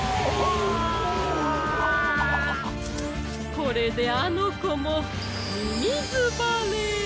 これであのこもみみずばれ！